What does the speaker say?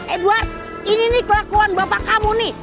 edward ini nih kelakuan bapak kamu nih